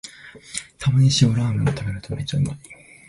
たまに塩ラーメンを食べるとめっちゃうまい